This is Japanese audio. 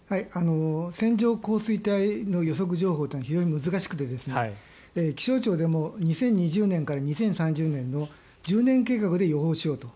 線状降水帯の予測情報というのは非常に難しくて、気象庁でも２０２０年から２０３０年の１０年計画で予報しようと。